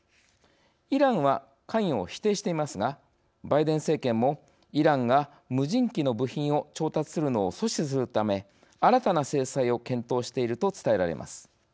イランは関与を否定していますがバイデン政権もイランが無人機の部品を調達するのを阻止するため新たな制裁を検討していると伝えられます。